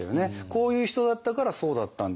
こういう人だったからそうだったんだ。